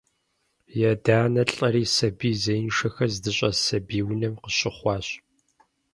И адэ-анэр лӏэри сабий зеиншэхэр здыщӏэс «сабий унэм» къыщыхъуащ.